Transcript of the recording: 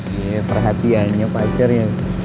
iya perhatiannya pacarnya